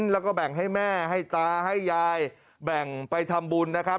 แล้วก็แบ่งให้แม่ให้ตาให้ยายแบ่งไปทำบุญนะครับ